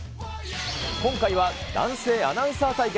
今回は、男性アナウンサー対決。